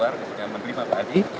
kemudian menerima pak hadi